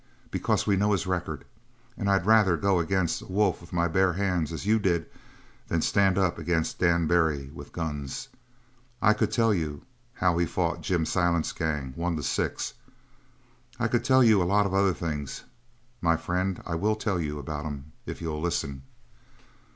Because we know his record; and I'd rather go against a wolf with my bare hands as you did than stand up against Dan Barry with guns. I could tell you how he fought Jim Silent's gang, one to six. I could tell you a lot of other things. My friend, I will tell you about 'em if you'll listen."